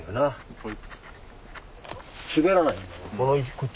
はい。